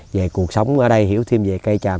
về cuộc sống ở đây hiểu thêm về cây tràm